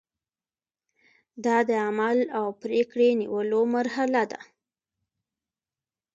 دا د عمل او پریکړې نیولو مرحله ده.